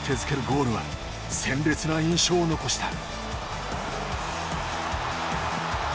ゴールは鮮烈な印象を残した。